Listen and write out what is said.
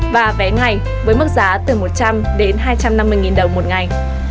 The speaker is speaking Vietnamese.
và vé ngày với mức giá từ một trăm linh đến hai trăm năm mươi đồng một ngày